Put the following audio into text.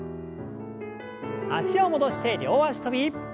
脚を戻して両脚跳び。